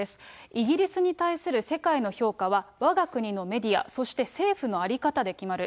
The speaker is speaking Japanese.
イギリスに対する世界の評価は、わが国のメディア、そして政府の在り方で決まる。